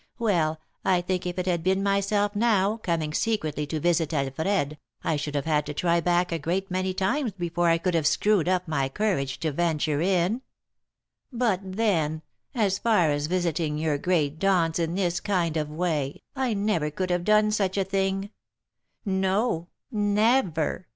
"Well, I think if it had been myself now, coming secretly to visit Alfred, I should have had to try back a great many times before I could have screwed up my courage to venture in. But then, as for visiting your great dons in this kind of way, I never could have done such a thing. No, never!